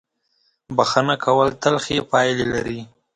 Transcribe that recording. • بښنه کول تل ښې پایلې لري.